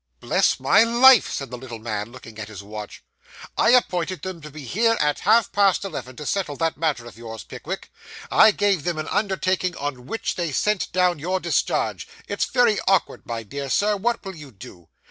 'Bless my life!' said the little man, looking at his watch, 'I appointed them to be here at half past eleven, to settle that matter of yours, Pickwick. I gave them an undertaking on which they sent down your discharge; it's very awkward, my dear Sir; what will you do?